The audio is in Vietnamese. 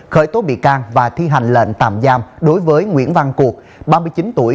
khởi tố bị can và thi hành lệnh tạm giam đối với nguyễn văn cuộc ba mươi chín tuổi